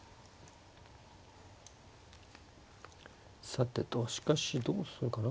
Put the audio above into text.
さてとしかしどうするかな。